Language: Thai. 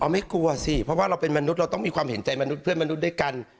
ไม่กลัวสิเพราะว่าเราเป็นมนุษย์เราต้องมีความเห็นใจมนุษย์ด้วยกัน